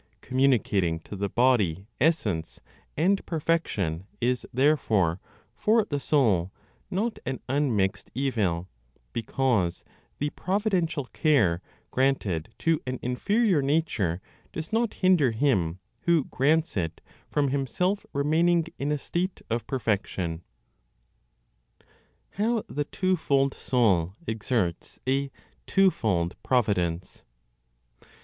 Communicating to the body essence and perfection is therefore, for the soul, not an unmixed evil; because the providential care granted to an inferior nature does not hinder him who grants it from himself remaining in a state of perfection. HOW THE TWO FOLD SOUL EXERTS A TWO FOLD PROVIDENCE.